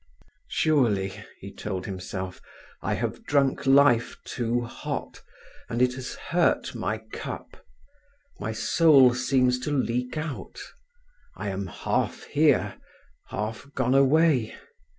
"Surely," he told himself, "I have drunk life too hot, and it has hurt my cup. My soul seems to leak out—I am half here, half gone away.